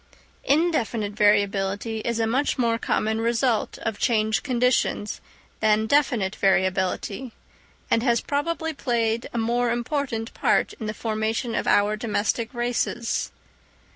In definite variability is a much more common result of changed conditions than definite variability, and has probably played a more important part in the formation of our domestic races.